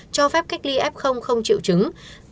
cho phép cách ly f không triệu chứng